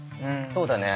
そうだね。